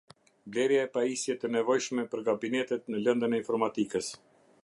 Blerja e pajisje të nevojshme për kabinetet në lëndën e informatikës